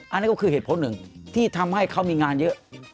อันนี้ก็คือเหตุผลหนึ่งที่ทำให้เขามีงานเยอะ